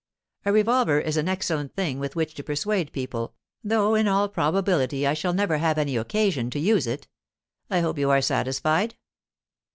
A revolver is an excellent thing with which to persuade people, though in all probability I shall never have any occasion to use it. I hope you are satisfied.